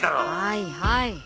はいはい。